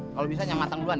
kalau bisa yang matang duluan